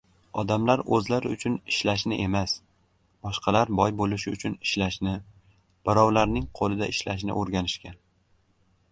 Odamlar oʻzlari uchun ishlashni emas, boshqalar boy boʻlishi uchun ishlashni, birovlarning qoʻlida ishlashni oʻrganishgan.